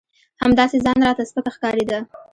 همداسې ځان راته سپک ښکارېده.